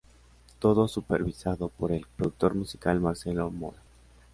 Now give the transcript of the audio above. Todo supervisado por el productor musical Marcelo Mora.